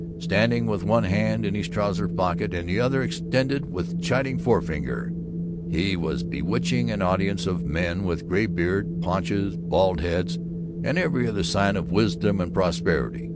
Standing with one hand in his trousers pocket and the other extended with chiding forefinger, he was bewitching an audience of men with gray beards, paunches, bald heads, and every other sign of wisdom and prosperity.